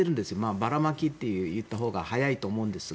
ばらまきといったほうがいいと思うんですが。